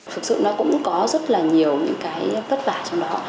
thực sự nó cũng có rất là nhiều những cái vất vả trong đó